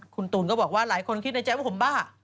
คุณตูนก็บอกว่าหลายคนคิดในใจว่าผมบ้า